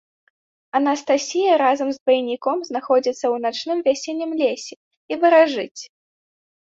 Анастасія разам з двайніком знаходзіцца ў начным вясеннім лесе і варажыць.